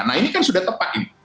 nah ini kan sudah tepat ini